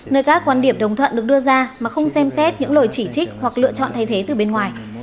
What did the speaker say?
nơi các quan điểm đồng thuận được đưa ra mà không xem xét những lời chỉ trích hoặc lựa chọn thay thế từ bên ngoài